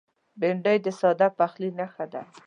بېنډۍ د ساده پخلي نښه ده